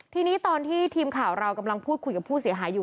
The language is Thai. ทีนี้ตอนที่ทีมข่าวเรากำลังพูดคุยกับผู้เสียหายอยู่